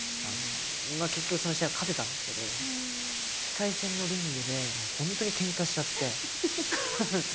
結局その試合は勝てたんですけど世界戦のリングで本当にケンカしちゃって。